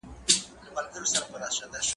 وخت تنظيم کړه؟